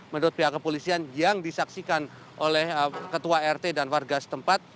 menurut pihak kepolisian yang disaksikan oleh ketua rt dan warga setempat